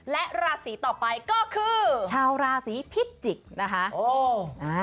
และราศีต่อไปก็คือชาวราศีพิจิกษ์นะคะ